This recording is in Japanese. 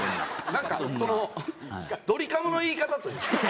なんかそのドリカムの言い方というか。